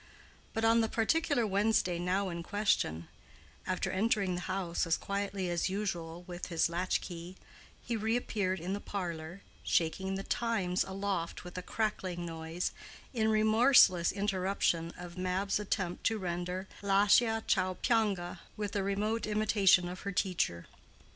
But on the particular Wednesday now in question, after entering the house as quietly as usual with his latch key, he appeared in the parlor, shaking the Times aloft with a crackling noise, in remorseless interruption of Mab's attempt to render Lascia ch'io pianga with a remote imitation of her teacher.